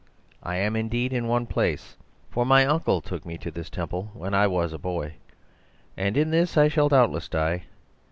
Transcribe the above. I am indeed in one place, for my uncle took me to this temple when I was a boy, and in this I shall doubtless die.